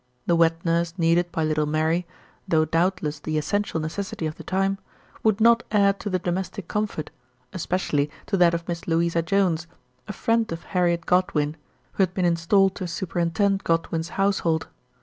The wet nurse needed by little Mary, though doubtless the essential necessity of the time, would not add to the domestic comfort, especially to that of Miss Louisa Jones, a friend of Harriet Godwin, who had been installed to superintend Godwin's house hold.